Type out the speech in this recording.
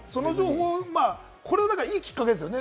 これをいいきっかけですよね。